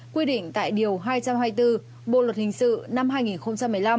quy định tại điều hai trăm hai mươi bốn bộ luật hình sự năm hai nghìn một mươi năm